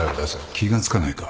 気が付かないか？